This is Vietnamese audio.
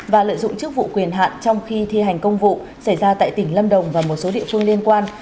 và lợi dụng chức vụ quyền hạn trong khi thi hành công vụ xảy ra tại tỉnh lâm đồng và một số địa phương liên quan